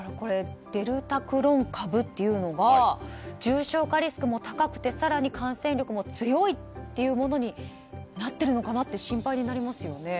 デルタクロン株というのが重症化リスクも高くて更に感染力も強いというものになっているのかなって心配になりますよね。